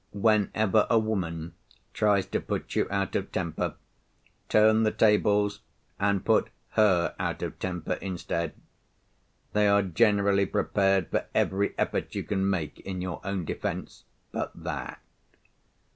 Whenever a woman tries to put you out of temper, turn the tables, and put her out of temper instead. They are generally prepared for every effort you can make in your own defence, but that.